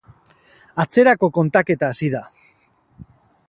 Atzerako kontaketa hasi da.